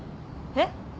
えっ？